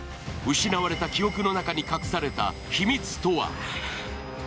失われた記憶の中に隠された秘密とは。